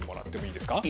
いいですか？